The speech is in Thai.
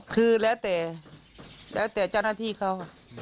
คือแล้วแต่แล้วแต่เจ้าหน้าที่เขา